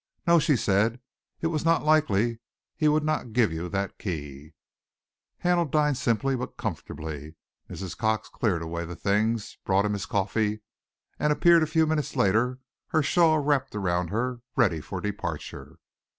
"No," she said, "it was not likely he would not give you that key!" Hamel dined simply but comfortably. Mrs. Cox cleared away the things, brought him his coffee, and appeared a few minutes later, her shawl wrapped around her, ready for departure.